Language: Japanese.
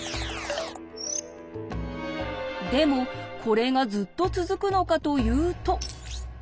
でもこれがずっと続くのかというと。